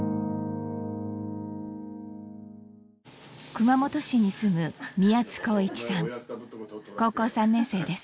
熊本市に住む高校３年生です。